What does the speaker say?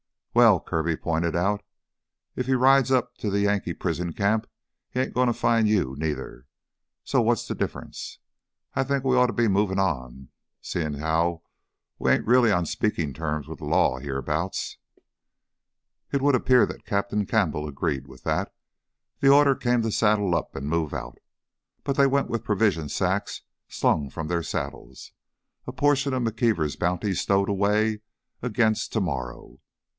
"Well," Kirby pointed out, "if he rides up to the Yankee prison camp, he ain't gonna find you neither. So what's the difference? I think we oughta be movin' on, seein' as how we ain't really on speakin' terms with the law heah 'bouts." It would appear that Captain Campbell agreed with that. The order came to saddle up and move out. But they went with provision sacks slung from their saddles, a portion of McKeever's bounty stowed away against tomorrow.